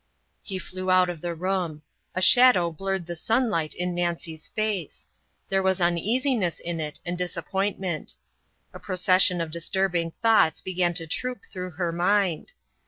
He flew out of the room. A shadow blurred the sunlight in Nancy's face there was uneasiness in it, and disappointment. A procession of disturbing thoughts began to troop through her mind.